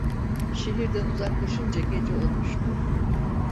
Şehirden uzaklaşınca gece olmuştu.